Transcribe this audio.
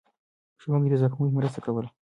ښوونکي د زده کوونکو مرسته کوله.